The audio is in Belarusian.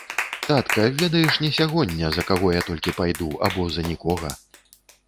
Татка, ведаеш не сягоння, за каго я толькі пайду, або за нікога.